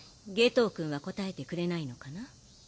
油君は答えてくれないのかな？